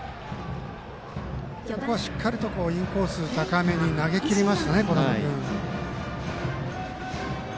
しっかりとインコース高めに投げきりましたね、小玉君。